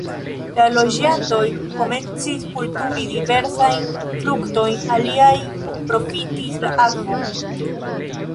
La loĝantoj komencis kulturi diversajn fruktojn, aliaj profitis la akvon.